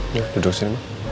nih duduk sini ma